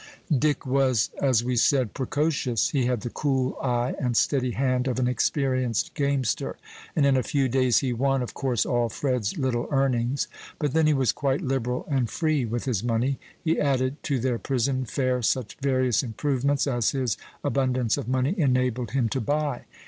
Dick was, as we said, precocious. He had the cool eye and steady hand of an experienced gamester, and in a few days he won, of course, all Fred's little earnings. But then he was quite liberal and free with his money. He added to their prison fare such various improvements as his abundance of money enabled him to buy.